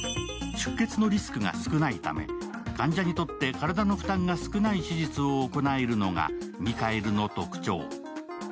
出血のリスクが少ないため、患者にとって体の負担が少ない手術を行えるのがミカエルの特徴。